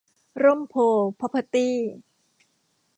ร่มโพธิ์ พร็อพเพอร์ตี้